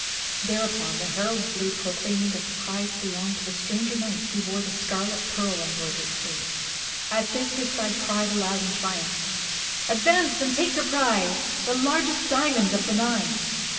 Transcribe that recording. Thereupon the heralds blew pro claiming that the prize belonged to the stranger knight who wore the scarlet, pearl embroidered sleeve. At this his side cried aloud in triumph: "Advance, and take your prize, the largest diamond of the nine!"